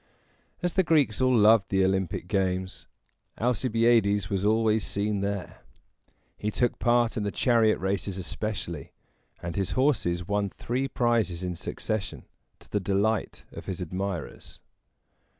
As the Greeks all loved the Olympic games, Alcibiades was always seen there. He took part in the chariot races especially; and his horses won three prizes in succession, to the delight of his admirers.